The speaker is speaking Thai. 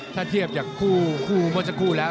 ถ้าเทียบจากคู่เมื่อสักครู่แล้ว